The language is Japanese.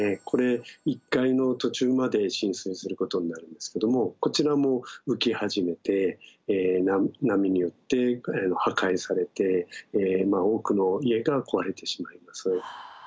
これ１階の途中まで浸水することになるんですけどもこちらも浮き始めて波によって破壊されて多くの家が壊れてしまいます。